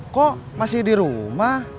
kok masih di rumah